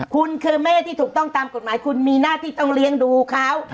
คุณคือแม่ที่ถูกต้องตามกฎหมายคุณมีหน้าที่ต้องเลี้ยงดูเขา